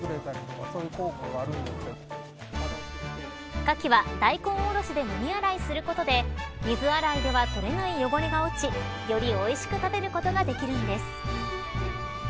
かきは大根おろしでもみ洗いすることで水洗いでは取れない汚れが落ちよりおいしく食べることができるんです。